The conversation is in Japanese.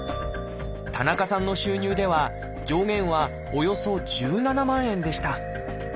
田中さんの収入では上限はおよそ１７万円でした。